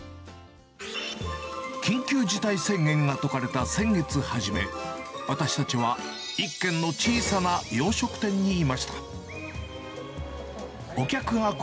緊急事態宣言が解かれた先月初め、私たちは一軒の小さな洋食店にいました。